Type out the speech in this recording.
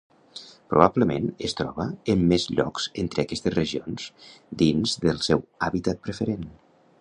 Probablement es troba en més llocs entre aquestes regions dins del seu hàbitat preferent.